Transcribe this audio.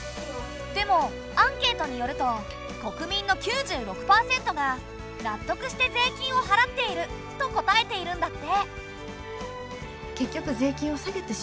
でもアンケートによると国民の９６％が納得して税金を払っていると答えているんだって！